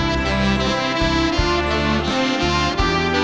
ขอบความจากฝ่าให้บรรดาดวงคันสุขสิทธิ์